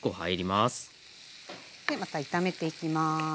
でまた炒めていきます。